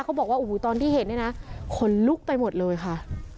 เขาบอกว่าโอ้โหตอนที่เห็นเนี่ยนะขนลุกไปหมดเลยค่ะ